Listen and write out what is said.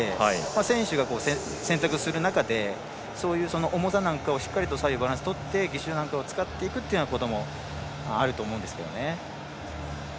選手が選択する中でそういう重さなんかをしっかりと左右のバランスとって義手なんかを使うこともあると思うんですけどね。